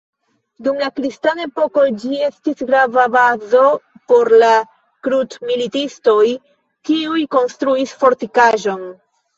Dum la kristana epoko, ĝi estis grava bazo por la krucmilitistoj, kiuj konstruis fortikaĵon.